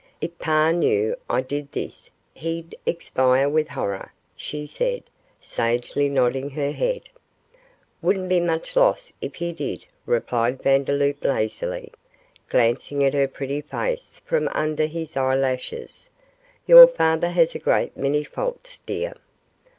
'If pa knew I did this, he'd expire with horror,' she said, sagely nodding her head. 'Wouldn't be much loss if he did,' replied Vandeloup, lazily, glancing at her pretty face from under his eyelashes; 'your father has a great many faults, dear.